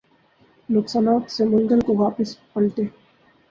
نقصانات سے منگل کو واپس پلٹے